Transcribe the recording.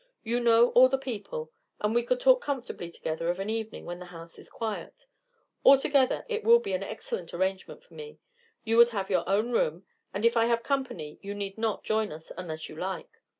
You know all the people, and we could talk comfortably together of an evening when the house is quiet. Altogether, it will be an excellent arrangement for me. You would have your own room, and if I have company you need not join us unless you like.